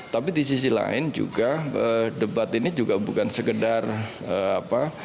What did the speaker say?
tapi di sisi lain juga debat ini juga bukan sekedar apa